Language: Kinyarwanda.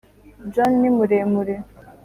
john ni muremure.